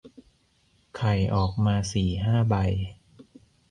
ไข่ออกมาสี่ห้าใบ